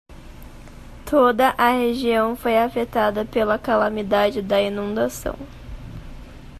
Toda a região foi afetada pela calamidade da inundação.